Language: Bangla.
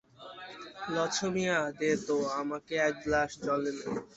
লছমিয়া, দে তো আমাকে এক গ্লাস জল এনে।